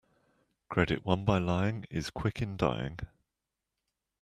Credit won by lying is quick in dying.